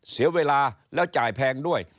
เสียเวลาแล้วจ่ายแพงด้วย